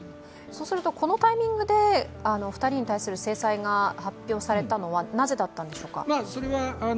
そうすると、このタイミングで２人に対する制裁が発表されたのはなぜだったんでしょうか？